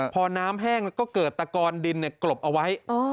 พอน้ำแห้งแล้วก็เกิดตะกอนดินกลบเอาไว้